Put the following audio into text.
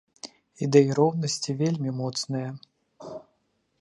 Ідэя роўнасці вельмі моцная.